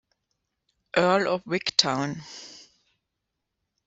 Earl of Wigtown.